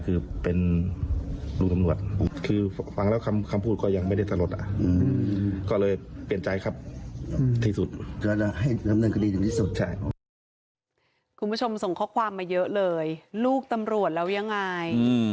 คุณผู้ชมส่งข้อความมาเยอะเลยลูกตำรวจแล้วยังไง